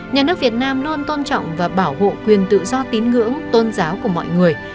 nhà nước việt nam luôn tôn trọng và bảo hộ quyền tự do tín ngưỡng tôn giáo của mọi người